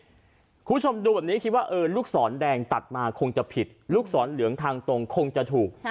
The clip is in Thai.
คุณผู้ชมดูแบบนี้คิดว่าเออลูกศรแดงตัดมาคงจะผิดลูกศรเหลืองทางตรงคงจะถูก